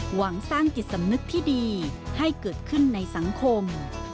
หวังสร้างจิตสำนึกที่ดีให้เกิดขึ้นในสังคม